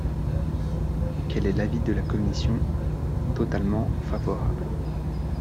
Quel est l’avis de la commission ? Totalement favorable.